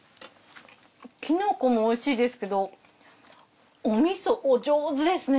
キノコもおいしいですけどお味噌お上手ですね。